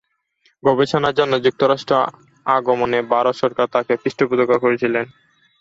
গবেষণার জন্য যুক্তরাজ্য গমনে ভারত সরকার তাকে পৃষ্ঠপোষকতা করেছিলো।